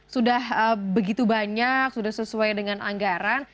sudah begitu banyak sudah sesuai dengan anggaran